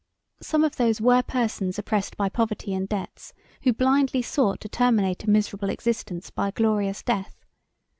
Some of these were persons oppressed by poverty and debts, who blindly sought to terminate a miserable existence by a glorious death.